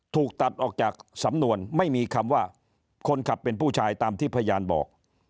ถูกตัดออกจากสำนวนไม่มีคำว่าคนขับเป็นผู้ชายตามที่พยานบอก